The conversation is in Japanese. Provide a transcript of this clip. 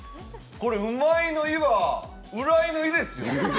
これ、うまいの「い」が浦井の「井」ですよ。